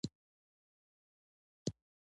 مجاهد د ظلم پر وړاندې خاموش نه وي.